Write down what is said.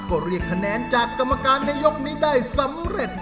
ก็เรียกคะแนนจากกรรมการในยกนี้ได้สำเร็จ